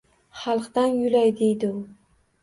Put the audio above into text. Xalqdan yulay, deydi u.